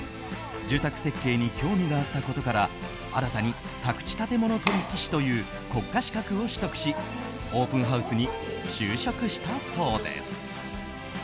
住宅設計に興味があったことから新たに宅地建物取引士という国家資格を取得しオープンハウスに就職したそうです。